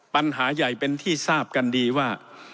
ปัญหาใหญ่เป็นที่ทราบกันดีว่า